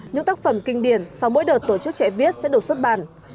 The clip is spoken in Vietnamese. những tác phẩm kinh điển sau mỗi đợt tổ chức chạy viết sẽ được xuất bản